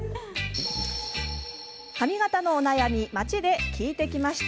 髪形のお悩み街で聞いてきました。